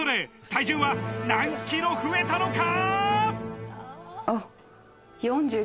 体重は何キロ増えたのか？